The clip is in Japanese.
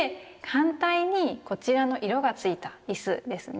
反対にこちらの色がついた椅子ですね。